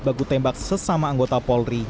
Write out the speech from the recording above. bagutembak sesama anggota polri